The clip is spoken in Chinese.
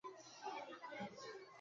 谭雅婷是台湾女子射箭运动员。